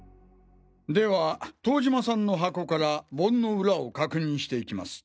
では遠島さんの箱から盆のウラを確認していきます。